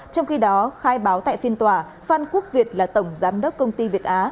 trong khi đó khai báo tại phiên tòa phan quốc việt là tổng giám đốc công ty việt á